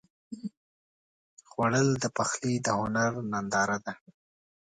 خوړل د پخلي د هنر ننداره ده